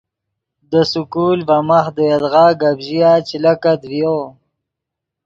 دے سکول ڤے ماخ دے یدغا گپ ژیا چے لکت ڤیو